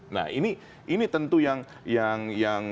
nah ini ini tentu yang yang yang